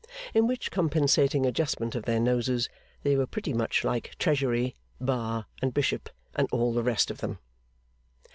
In which compensating adjustment of their noses, they were pretty much like Treasury, Bar, and Bishop, and all the rest of them.